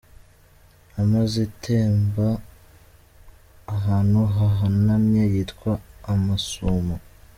Amazi atemba ahantu hahanamye yitwa amasumo.